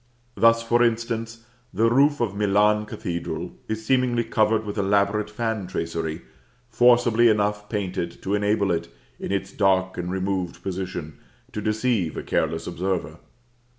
Thus, for instance, the roof of Milan Cathedral is seemingly covered with elaborate fan tracery, forcibly enough painted to enable it, in its dark and removed position, to deceive a careless observer.